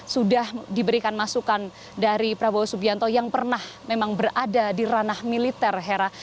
sudah diberikan masukan dari prabowo subianto yang pernah memang berada di ranah militer hera